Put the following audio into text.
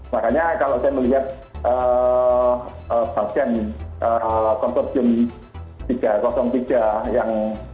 makanya kalau saya melihat vaksin kontorsium tiga ratus tiga